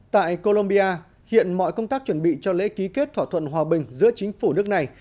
tại colombia hiện mọi công tác chuẩn bị cho lễ ký kết thỏa thuận hòa bình giữa chính phủ nước này